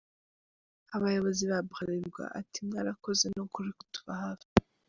Abayobozi ba Bralirwa bati "mwarakoze ni ukuri kutuba hafi.